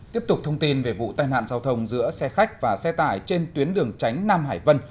tiếp tục thông tin về vụ tai nạn giao thông giữa xe khách và xe tải trên tuyến đường tránh nam hải vân